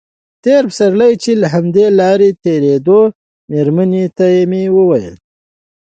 تېر پسرلی چې له همدې لارې تېرېدو مېرمنې ته مې ویل.